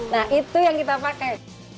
nah itu yang kita pakai